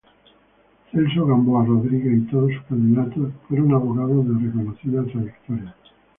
Celso Gamboa Rodríguez y todos sus candidatos fueron abogados de reconocida trayectoria.